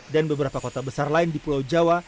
dan beberapa kota besar lain di pulau jawa